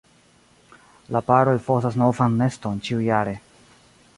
La paro elfosas novan neston ĉiujare.